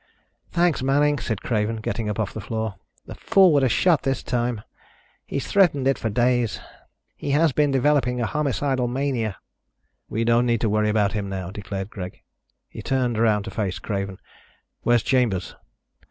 "Thanks, Manning," said Craven, getting up off the floor. "The fool would have shot this time. He's threatened it for days. He has been developing a homicidal mania." "We don't need to worry about him now," declared Greg. He turned around to face Craven. "Where's Chambers?"